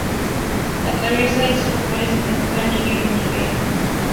Atraviesa tres países: Argelia, Níger y Nigeria.